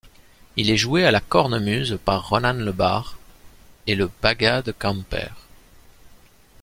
Il est joué à la cornemuse par Ronan Le Bars et le Bagad Kemper.